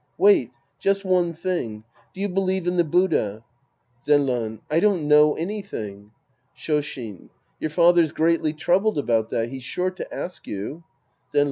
Wait. Just one thing. Do you believe in the Buddha ? Zenran. I don't know anything. Shoshin. Your father's greatly troubled about that. He's sure to ask you. Zenran.